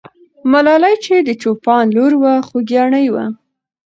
ملالۍ چې د چوپان لور وه، خوګیاڼۍ وه.